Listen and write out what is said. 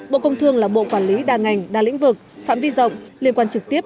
bộ công thương là bộ quản lý đa ngành đa lĩnh vực phạm vi rộng liên quan trực tiếp